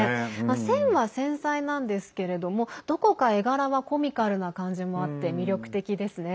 線は繊細なんですけれどもどこか絵柄はコミカルな感じもあって魅力的ですね。